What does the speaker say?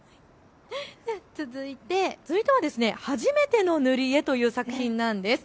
続いては初めての塗り絵という作品なんです。